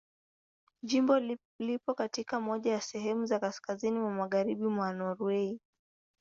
Jimbo lipo katika moja ya sehemu za kaskazini mwa Magharibi mwa Norwei.